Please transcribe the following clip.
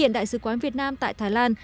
hiện đại sứ quán việt nam tại thái lan